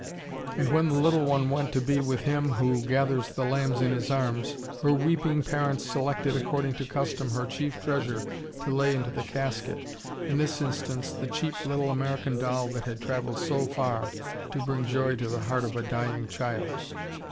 And when the little one went to be with Him who "gathers the lambs in His arms," her weeping parents selected according to custom her chief treasure to lay into the casket, in this instance, the cheap little American doll that had travelled so far to bring joy to the heart of a dying child.